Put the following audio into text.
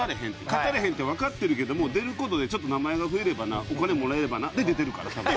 勝たれへんってわかってるけども出る事でちょっと名前が増えればなお金もらえればなで出てるから多分。